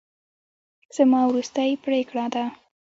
زما وروستۍ پرېکړه ده.